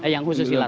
yang khusus silat